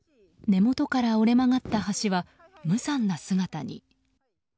根元から折れ曲がった橋は無残な姿に。